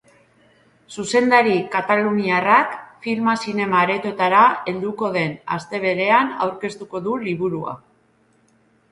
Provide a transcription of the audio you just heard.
Zuzendari kataluniarrak filma zinema-aretoetara helduko den aste berean aurkeztuko du liburua.